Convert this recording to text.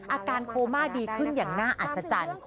อาการโคม่าดีขึ้นอย่างน่าอัศจรรย์